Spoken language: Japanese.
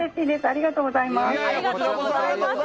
ありがとうございます。